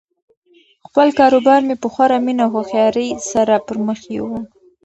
خپل کاروبار مې په خورا مینه او هوښیاري سره پرمخ یووړ.